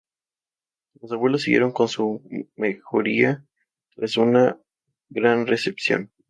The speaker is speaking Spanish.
Los Abuelos siguieron con su mejoría tras una gran recepción del público.